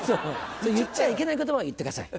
言っちゃいけない言葉を言ってください